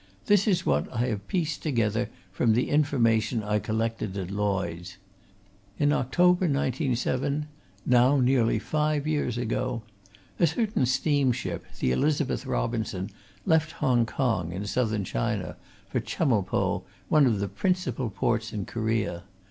"This is what I have pieced together from the information I collected at Lloyds. In October, 1907, now nearly five years ago, a certain steam ship, the Elizabeth Robinson, left Hong Kong, in Southern China, for Chemulpo, one of the principal ports in Korea.